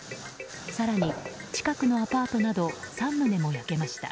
更に、近くのアパートなど３棟も焼けました。